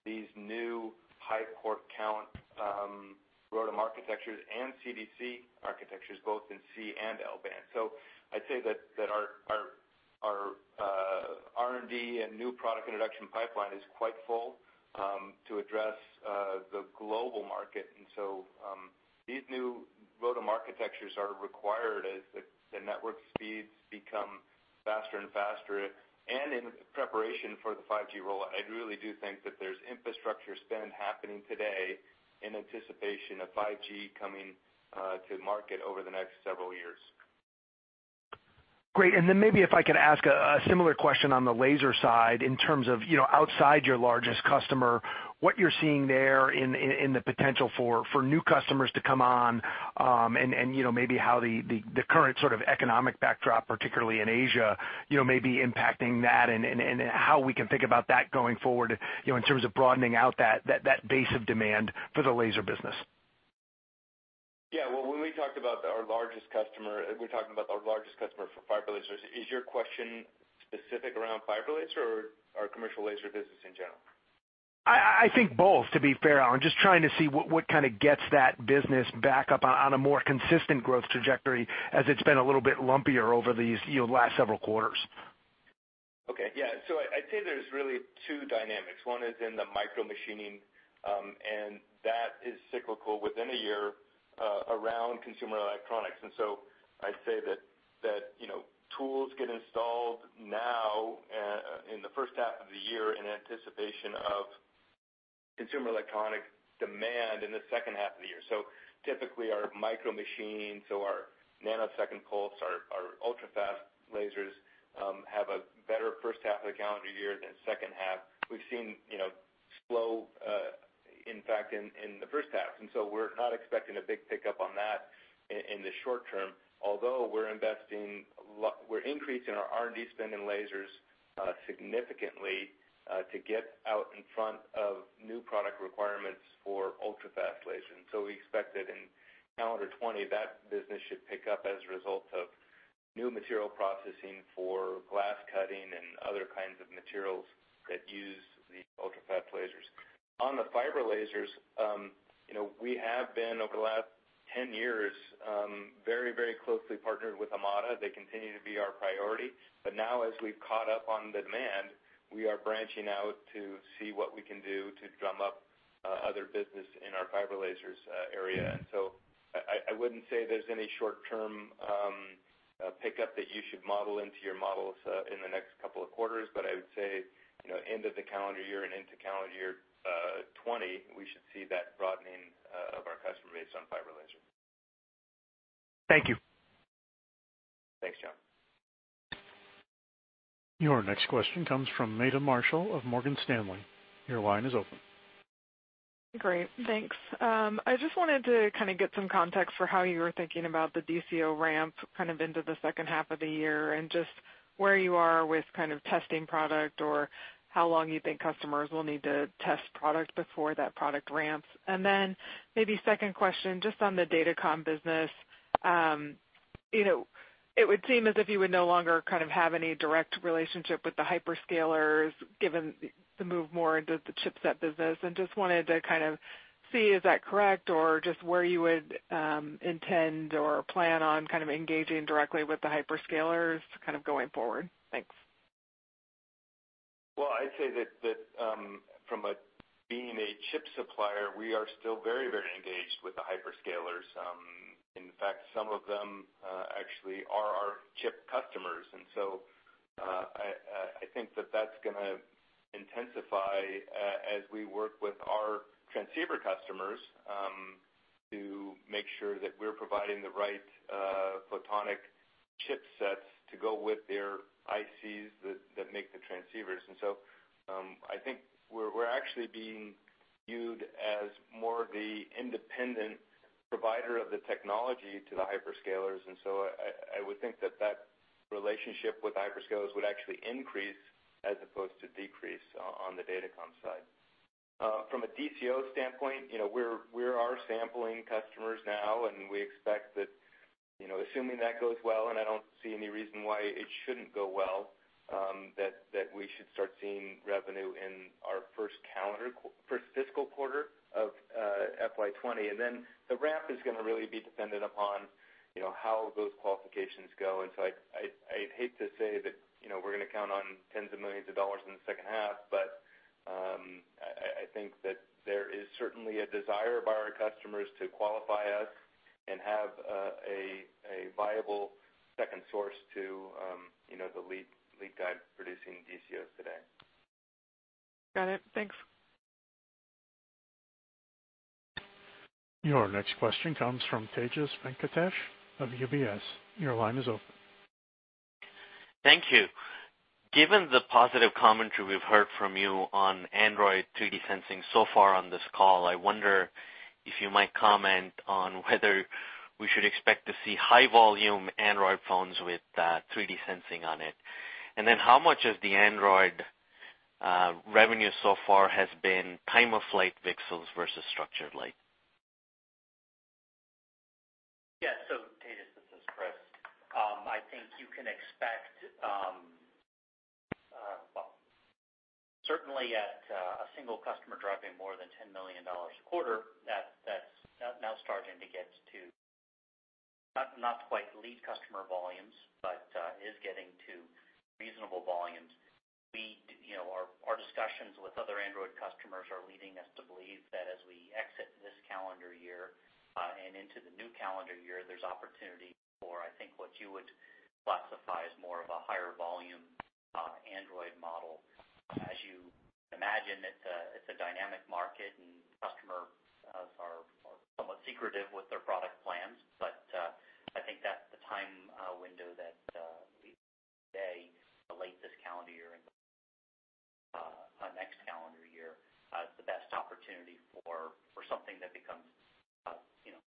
these new high port count ROADM architectures and CDC architectures, both in C and L-band. I'd say that our R&D and new product introduction pipeline is quite full to address the global market. These new ROADM architectures are required as the network speeds become faster and faster, and in preparation for the 5G rollout. I really do think that there's infrastructure spend happening today in anticipation of 5G coming to market over the next several years.
Great. Maybe if I could ask a similar question on the laser side in terms of outside your largest customer, what you're seeing there in the potential for new customers to come on, and maybe how the current sort of economic backdrop, particularly in Asia, may be impacting that and how we can think about that going forward, in terms of broadening out that base of demand for the laser business.
Yeah. Well, when we talked about our largest customer, we're talking about our largest customer for fiber lasers. Is your question specific around fiber laser or our commercial laser business in general?
I think both, to be fair, Alan. I'm just trying to see what kind of gets that business back up on a more consistent growth trajectory as it's been a little bit lumpier over these last several quarters.
Okay. Yeah. I'd say there's really two dynamics. One is in the micromachining, that is cyclical within a year around consumer electronics. I'd say that tools get installed now in the first half of the year in anticipation of consumer electronic demand in the second half of the year. Typically, our micromachines or our nanosecond pulse, our ultrafast lasers, have a better first half of the calendar year than second half. We've seen slow, in fact, in the first half, we're not expecting a big pickup on that in the short term. Although we're increasing our R&D spend in lasers significantly to get out in front of new product requirements for ultrafast lasers. We expect that in calendar 2020, that business should pick up as a result of new material processing for glass cutting and other kinds of materials that use the ultrafast lasers. On the fiber lasers, we have been, over the last 10 years, very closely partnered with Amada. They continue to be our priority. Now as we've caught up on demand, we are branching out to see what we can do to drum up other business in our fiber lasers area. I wouldn't say there's any short-term pickup that you should model into your models in the next couple of quarters. I would say, end of the calendar year and into calendar year 2020, we should see that broadening of our customer base on fiber lasers.
Thank you.
Thanks, John.
Your next question comes from Meta Marshall of Morgan Stanley. Your line is open.
Great. Thanks. I just wanted to get some context for how you were thinking about the DCO ramp into the second half of the year, and just where you are with testing product or how long you think customers will need to test product before that product ramps. Then maybe second question, just on the Datacom business. It would seem as if you would no longer have any direct relationship with the hyperscalers, given the move more into the chipset business, and just wanted to see, is that correct? Or just where you would intend or plan on engaging directly with the hyperscalers going forward? Thanks.
Well, I'd say that from being a chip supplier, we are still very engaged with the hyperscalers. In fact, some of them actually are our chip customers. I think that's going to intensify as we work with our transceiver customers to make sure that we're providing the right photonic chipsets to go with their ICs that make the transceivers. I think we're actually being viewed as more of the independent provider of the technology to the hyperscalers, I would think that relationship with hyperscalers would actually increase as opposed to decrease on the Datacom side. From a DCO standpoint, we are sampling customers now, and we expect that assuming that goes well, and I don't see any reason why it shouldn't go well, that we should start seeing revenue in our first fiscal quarter of FY 2020. The ramp is going to really be dependent upon how those qualifications go. I'd hate to say that we're going to count on $ tens of millions in the second half. I think that there is certainly a desire by our customers to qualify us and have a viable second source to the lead guy producing DCO today.
Got it. Thanks.
Your next question comes from Tejas Venkatesh of UBS. Your line is open.
Thank you. Given the positive commentary we've heard from you on Android 3D sensing so far on this call, I wonder if you might comment on whether we should expect to see high volume Android phones with 3D sensing on it. How much of the Android revenue so far has been time-of-flight pixels versus structured light?
Yeah. Tejas, this is Chris. I think you can expect, well, certainly at a single customer driving more than $10 million a quarter, that's now starting to get to, not quite lead customer volumes, but is getting to reasonable volumes. Our discussions with other Android customers are leading us to believe that as we exit this calendar year and into the new calendar year, there's opportunity for, I think, what you would classify as more of a higher volume Android model. As you imagine, it's a dynamic market and customers are somewhat secretive with their product plans. I think that's the time window that we say late this calendar year and next calendar year as the best opportunity for something that becomes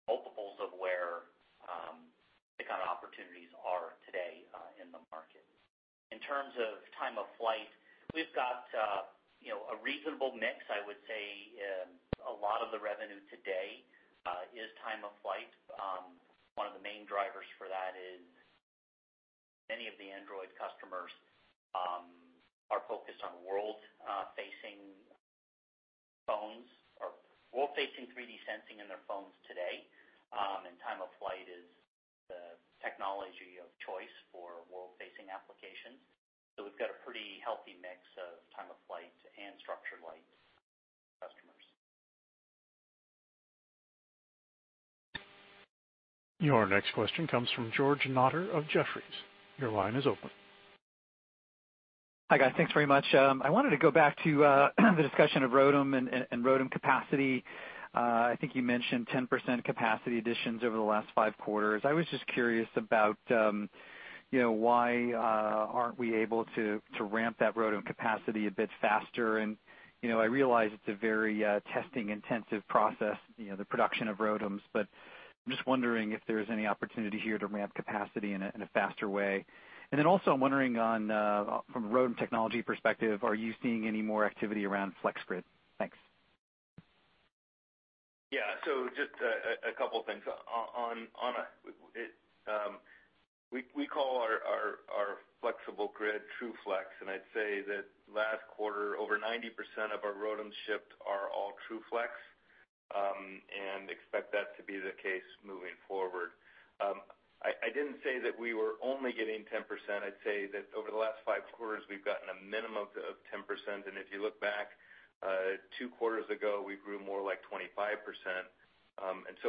multiples of where the kind of opportunities are today in the market. In terms of time-of-flight, we've got a reasonable mix, I would say. A lot of the revenue today is time-of-flight. One of the main drivers for that is many of the Android customers are focused on world-facing 3D sensing in their phones today, and time-of-flight is the technology of choice for world-facing applications. We've got a pretty healthy mix of time-of-flight and structured light customers.
Your next question comes from George Notter of Jefferies. Your line is open.
Hi, guys. Thanks very much. I wanted to go back to the discussion of ROADM and ROADM capacity. I think you mentioned 10% capacity additions over the last 5 quarters. I was just curious about why aren't we able to ramp that ROADM capacity a bit faster. I realize it's a very testing-intensive process, the production of ROADMs. I'm just wondering if there's any opportunity here to ramp capacity in a faster way. I'm wondering from a ROADM technology perspective, are you seeing any more activity around FlexGrid? Thanks.
Yeah. Just a couple things. We call our flexible grid TrueFlex. I'd say that last quarter, over 90% of our ROADM shipped are all TrueFlex, and expect that to be the case moving forward. I didn't say that we were only getting 10%. I'd say that over the last 5 quarters, we've gotten a minimum of 10%. If you look back, 2 quarters ago, we grew more like 25%.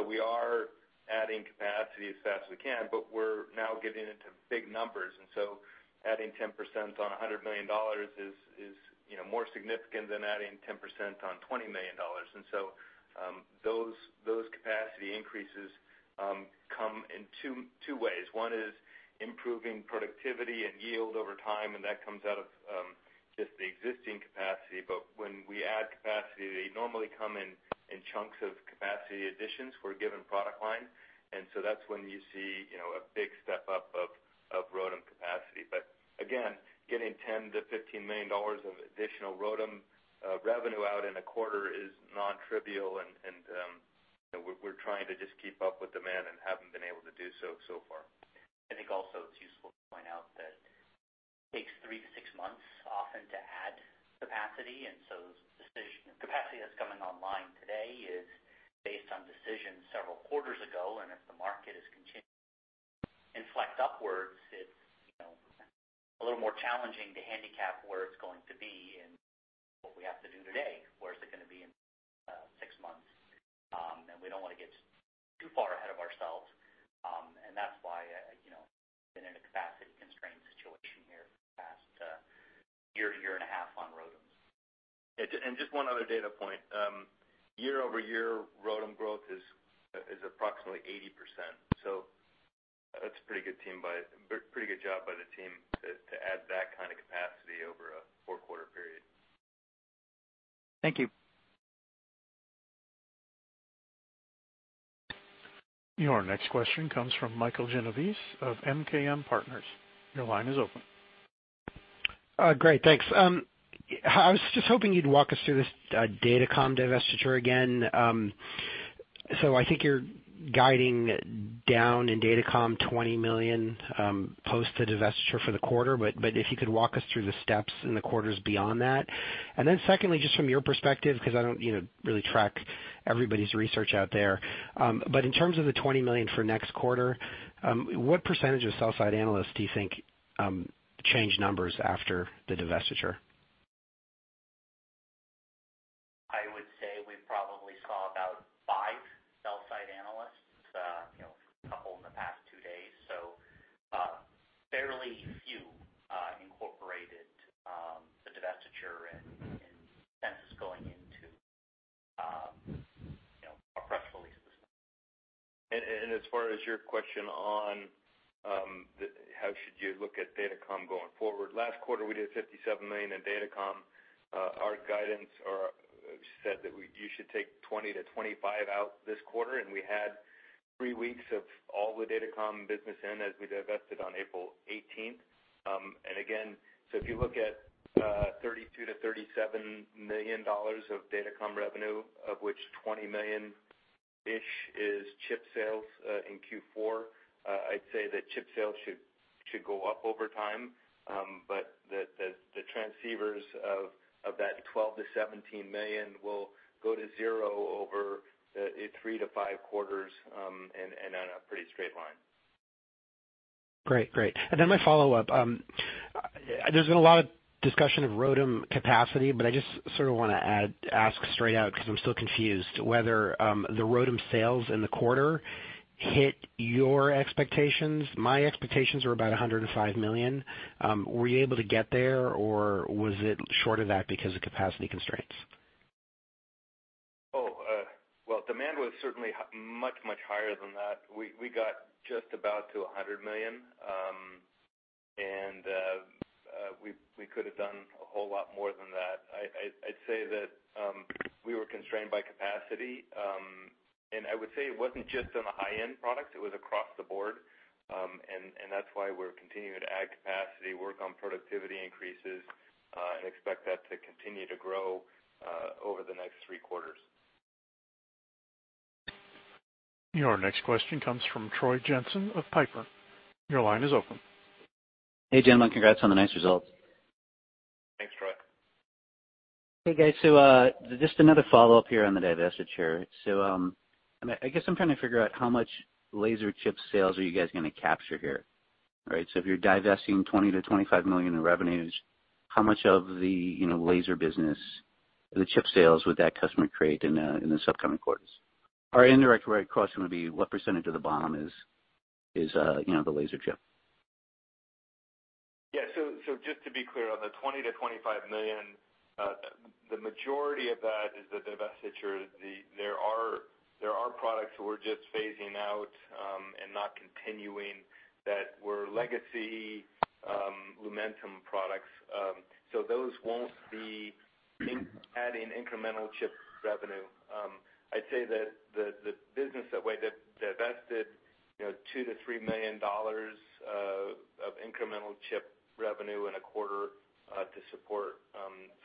We are adding capacity as fast as we can. We're now getting into big numbers. Adding 10% on $100 million is more significant than adding 10% on $20 million. Those capacity increases come in 2 ways. One is improving productivity and yield over time. That comes out of just the existing capacity. When we add capacity, they normally come in chunks of capacity additions for a given product line. That's when you see a big step up of ROADM capacity. Again, getting $10 million to $15 million of additional ROADM revenue out in a quarter is non-trivial. We're trying to just keep up with demand and haven't been able to do so far.
I think also it's useful to point out that it takes 3 to 6 months often to add capacity. Capacity that's coming online today is based on decisions several quarters ago. If the market is continuing to inflect upwards, it's a little more challenging to handicap where it's going to be and what we have to do today. Where is it going to be in 6 months? We don't want to get too far ahead of ourselves. That's why we've been in a capacity constraint situation here for the past year and a half on ROADMs.
Just one other data point. Year-over-year ROADM growth is approximately 80%. That's a pretty good job by the team to add that kind of capacity over a four-quarter period.
Thank you.
Your next question comes from Michael Genovese of MKM Partners. Your line is open.
Great. Thanks. I was just hoping you'd walk us through this Datacom divestiture again. I think you're guiding down in Datacom $20 million post the divestiture for the quarter, if you could walk us through the steps in the quarters beyond that. Secondly, just from your perspective, because I don't really track everybody's research out there. In terms of the $20 million for next quarter, what % of sell side analysts do you think change numbers after the divestiture?
I would say we probably saw about five sell-side analysts, a couple in the past two days. Barely few incorporated the divestiture and consensus going into our press release this morning.
As far as your question on how should you look at Datacom going forward, last quarter, we did $57 million in Datacom. Our guidance said that you should take 20-25 out this quarter, and we had three weeks of all the Datacom business in as we divested on April 18th. If you look at $32 million-$37 million of Datacom revenue, of which $20 million-ish is chip sales in Q4, I'd say the chip sales should go up over time. The transceivers of that $12 million-$17 million will go to zero over three to five quarters, and on a pretty straight line.
Great. My follow-up. There's been a lot of discussion of ROADM capacity, but I just sort of want to ask straight out, because I'm still confused whether the ROADM sales in the quarter hit your expectations. My expectations were about $105 million. Were you able to get there, or was it short of that because of capacity constraints?
Well, demand was certainly much, much higher than that. We got just about to $100 million, and we could have done a whole lot more than that. I'd say that we were constrained by capacity. I would say it wasn't just on the high-end product, it was across the board. That's why we're continuing to add capacity, work on productivity increases, and expect that to continue to grow over the next three quarters.
Your next question comes from Troy Jensen of Piper. Your line is open.
Hey, gentlemen. Congrats on the nice results.
Thanks, Troy.
Hey, guys. Just another follow-up here on the divestiture. I guess I'm trying to figure out how much laser chip sales are you guys going to capture here? All right. If you're divesting $20 million-$25 million in revenues, how much of the laser business, the chip sales, would that customer create in the upcoming quarters? Are indirect costs going to be what % of the bottom is the laser chip?
Just to be clear, on the $20 million-$25 million, the majority of that is the divestiture. There are products we're just phasing out and not continuing that were legacy Lumentum products. Those won't be adding incremental chip revenue. I'd say that the business that way divested $2 million-$3 million of incremental chip revenue in a quarter to support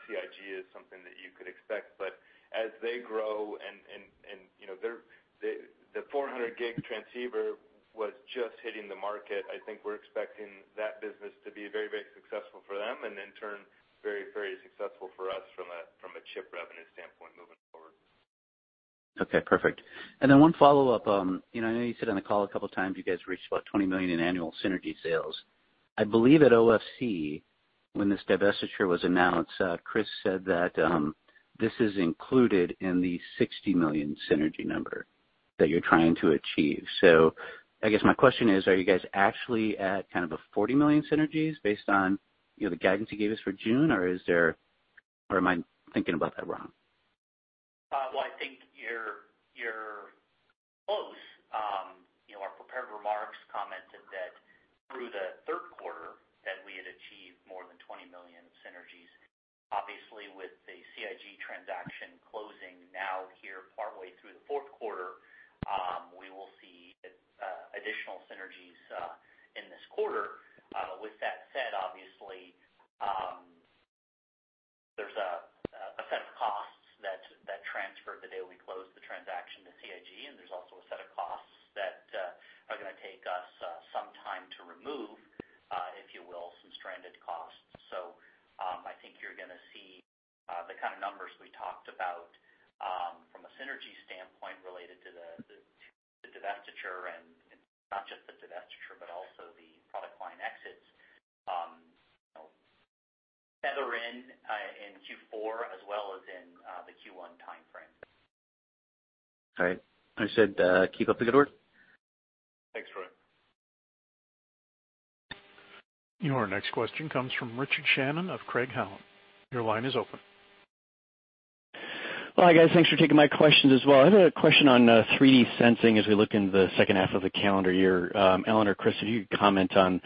CIG is something that you could expect. As they grow and the 400G transceiver was just hitting the market, I think we're expecting that business to be very successful for them, and in turn, very successful for us from a chip revenue standpoint moving forward.
Okay, perfect. One follow-up. I know you said on the call a couple of times you guys reached about $20 million in annual synergy sales. I believe at OFC, when this divestiture was announced, Chris said that this is included in the $60 million synergy number that you're trying to achieve. I guess my question is, are you guys actually at kind of a $40 million synergies based on the guidance you gave us for June? Am I thinking about that wrong?
Well, I think you're close. Our prepared remarks commented that through the third quarter that we had achieved more than $20 million of synergies. Obviously, with the CIG transaction closing now here partway through the fourth quarter, we will see additional synergies in this quarter. With that said, obviously, there's a set of costs that transferred the day we closed the transaction to CIG, and there's also a set of costs that are going to take us some time to remove, if you will, some stranded costs. I think you're going to see the kind of numbers we talked about from a synergy standpoint related to the divestiture and not just the divestiture, but also the product line exits feather in Q4 as well as in the Q1 timeframe.
All right. I said keep up the good work.
Thanks, Troy.
Your next question comes from Richard Shannon of Craig-Hallum. Your line is open.
Well, hi guys. Thanks for taking my questions as well. I have a question on 3D sensing as we look into the second half of the calendar year. Alan or Chris, if you could comment on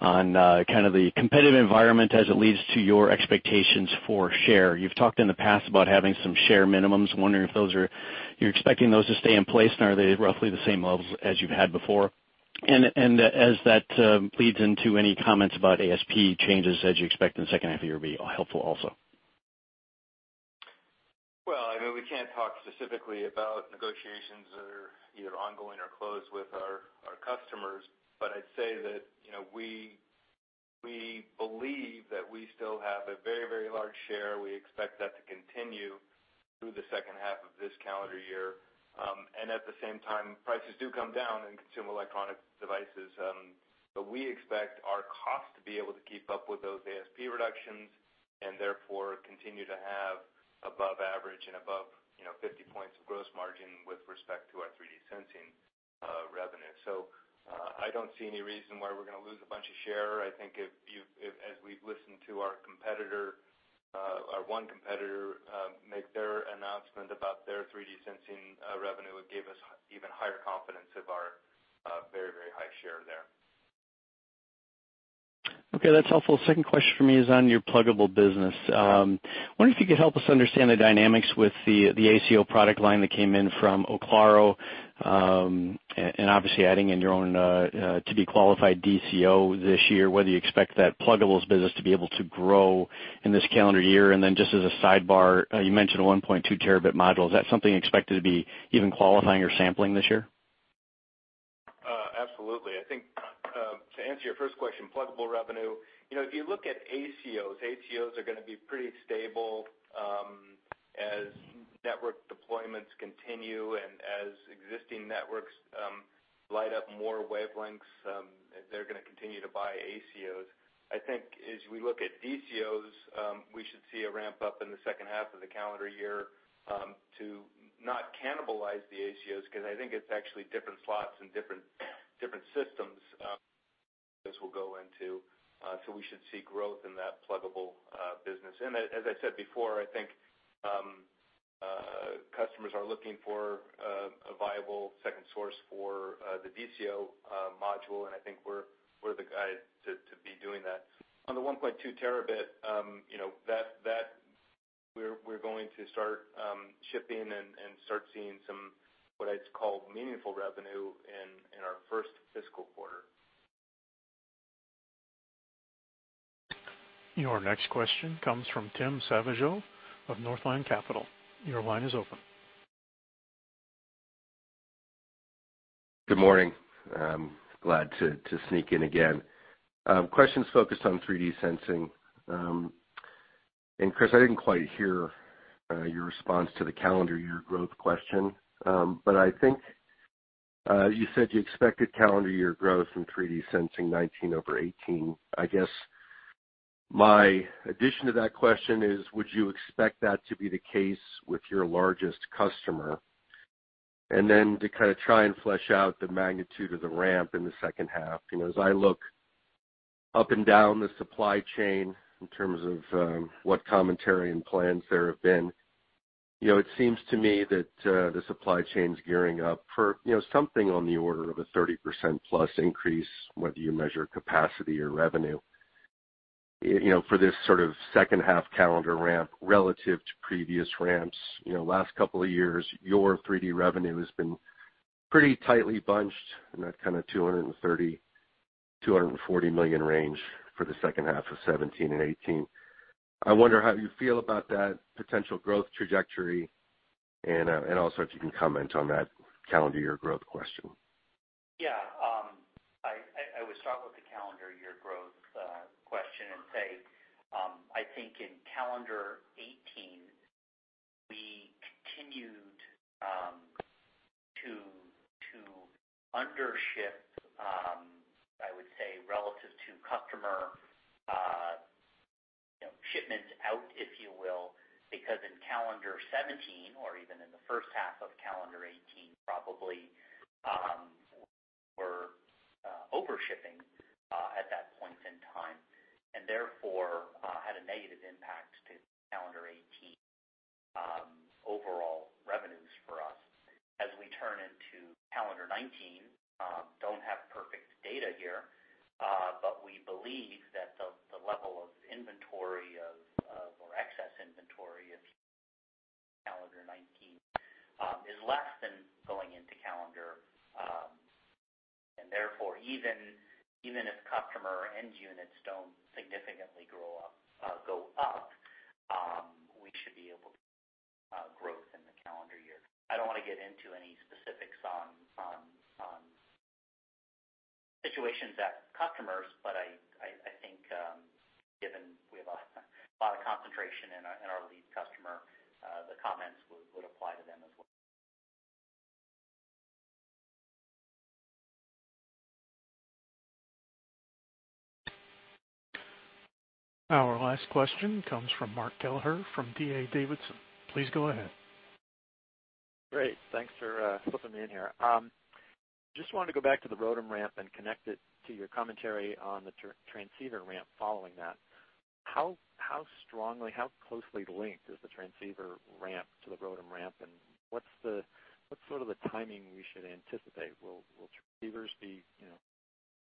kind of the competitive environment as it leads to your expectations for share. You've talked in the past about having some share minimums. Wondering if you're expecting those to stay in place, and are they roughly the same levels as you've had before? As that leads into any comments about ASP changes as you expect in the second half of the year would be helpful also.
Well, we can't talk specifically about negotiations that are either ongoing or closed with our customers. I'd say that we believe that we still have a very large share. We expect that to continue through the second half of this calendar year. At the same time, prices do come down in consumer electronic devices. We expect our cost to be able to keep up with those ASP reductions and therefore continue to have above average and above 50 points of gross margin with respect to our 3D sensing revenue. I don't see any reason why we're going to lose a bunch of share. I think as we listen to our one competitor make their announcement about their 3D sensing revenue, it gave us even higher confidence of our very high share there.
That's helpful. Second question from me is on your pluggable business. Wondering if you could help us understand the dynamics with the ACO product line that came in from Oclaro, and obviously adding in your own to-be-qualified DCO this year, whether you expect that pluggables business to be able to grow in this calendar year. Just as a sidebar, you mentioned a 1.2 terabit module. Is that something expected to be even qualifying or sampling this year?
Absolutely. I think to answer your first question, pluggable revenue. If you look at ACOs are going to be pretty stable as network deployments continue and as existing networks light up more wavelengths, they're going to continue to buy ACOs. I think as we look at DCOs, we should see a ramp up in the second half of the calendar year to not cannibalize the ACOs, because I think it's actually different slots and different systems this will go into. We should see growth in that pluggable business. As I said before, I think customers are looking for a viable second source for the DCO module, and I think we're the guy to be doing that. On the 1.2 terabit, we're going to start shipping and start seeing some, what I'd call meaningful revenue in our first fiscal quarter.
Your next question comes from Tim Savageaux of Northline Capital. Your line is open.
Good morning. I'm glad to sneak in again. Question's focused on 3D sensing. Chris, I didn't quite hear your response to the calendar year growth question. I think you said you expected calendar year growth in 3D sensing 2019 over 2018. I guess my addition to that question is, would you expect that to be the case with your largest customer? Then to kind of try and flesh out the magnitude of the ramp in the second half. As I look up and down the supply chain in terms of what commentary and plans there have been, it seems to me that the supply chain's gearing up for something on the order of a 30% plus increase, whether you measure capacity or revenue. For this sort of second half calendar ramp relative to previous ramps, last couple of years, your 3D revenue has been pretty tightly bunched in that kind of $230 million-$240 million range for the second half of 2017 and 2018. I wonder how you feel about that potential growth trajectory and also if you can comment on that calendar year growth question.
Yeah. I would start with the calendar year growth question say, I think in calendar 2018, we continued to undership, I would say, relative to customer shipments out, if you will, because in calendar 2017 or even in the first half of calendar 2018 probably, were overshipping at that point in time, therefore had a negative impact to calendar 2018 overall revenues for us. As we turn into calendar 2019, don't have perfect data here, we believe that the level of inventory of, or excess inventory of calendar 2019, is less than going into calendar. Therefore, even if customer end units don't significantly go up, we should be able to growth in the calendar year. I don't want to get into any specifics on situations at customers, I think given we have a lot of concentration in our lead customer, the comments would apply to them as well.
Our last question comes from Mark Kelleher from D.A. Davidson. Please go ahead.
Great. Thanks for slipping me in here. Just wanted to go back to the ROADM ramp and connect it to your commentary on the transceiver ramp following that. How strongly, how closely linked is the transceiver ramp to the ROADM ramp, and what is sort of the timing we should anticipate? Will transceivers be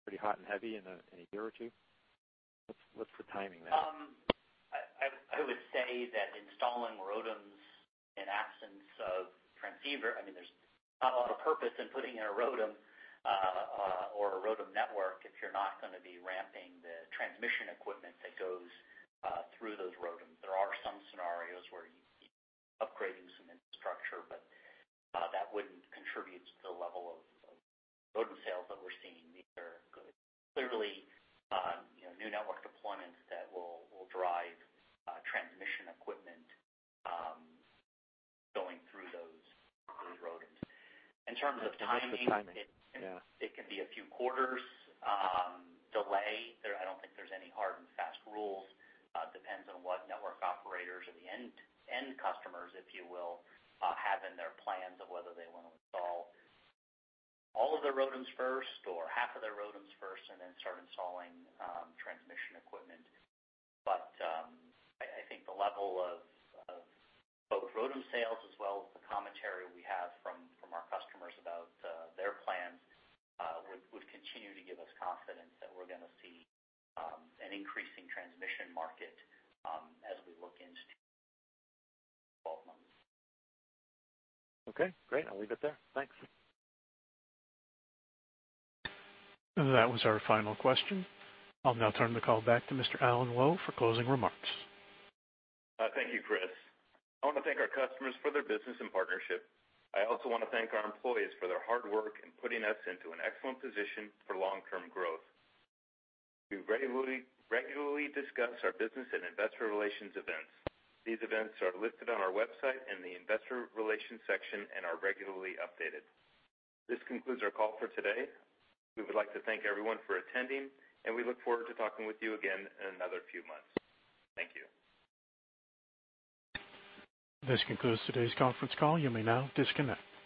pretty hot and heavy in a year or two? What is the timing there?
I would say that installing ROADMs in absence of transceiver, there is not a lot of purpose in putting in a ROADM or a ROADM network if you are not going to be ramping the transmission equipment that goes through those ROADMs. There are some scenarios where you would be upgrading some infrastructure, but that wouldn't contribute to the level of ROADM sales that we are seeing. These are clearly new network deployments that will drive transmission equipment going through those ROADMs. In terms of timing.
In terms of timing, yeah.
it can be a few quarters delay. I don't think there's any hard and fast rules. Depends on what network operators or the end customers, if you will, have in their plans of whether they want to install all of their ROADMs first or half of their ROADMs first, and then start installing transmission equipment. I think the level of both ROADM sales as well as the commentary we have from our customers about their plans would continue to give us confidence that we're going to see an increase in transmission market as we look into 12 months.
Okay, great. I'll leave it there. Thanks.
That was our final question. I'll now turn the call back to Mr. Alan Lowe for closing remarks.
Thank you, Chris. I want to thank our customers for their business and partnership. I also want to thank our employees for their hard work in putting us into an excellent position for long-term growth. We regularly discuss our business and investor relations events. These events are listed on our website in the investor relations section and are regularly updated. This concludes our call for today. We would like to thank everyone for attending, and we look forward to talking with you again in another few months. Thank you.
This concludes today's conference call. You may now disconnect.